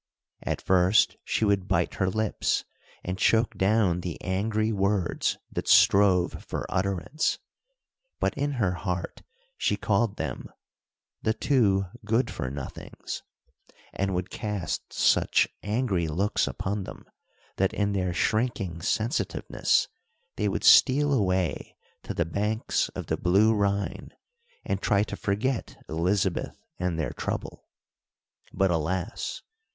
At first she would bite her lips and choke down the angry words that strove for utterance, but in her heart she called them "THE TWO GOOD FOR NOTHING'S," and would cast such angry looks upon them that in their shrinking sensitiveness they would steal away to the banks of the blue Rhine and try to forget Elizabeth and their trouble. But alas!